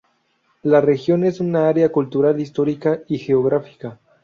La región es un área cultural, histórica y geográfica.